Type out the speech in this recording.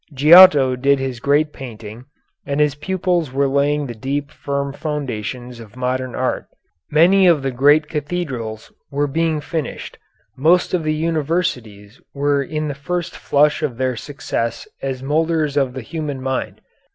Giotto did his great painting, and his pupils were laying the deep, firm foundations of modern art. Many of the great cathedrals were being finished. Most of the universities were in the first flush of their success as moulders of the human mind.